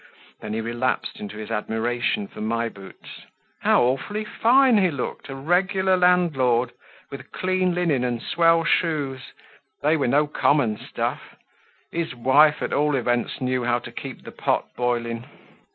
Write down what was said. Then he relapsed into his admiration for My Boots. How awfully fine he looked! A regular landlord; with clean linen and swell shoes! They were no common stuff! His wife, at all events, knew how to keep the pot boiling!